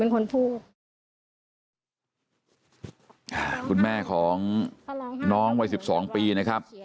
คุณแม่ของน้องวัย๑๒ปีนะครับ